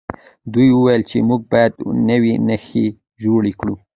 دوی وویل چې موږ باید نوي نښې جوړې کړو.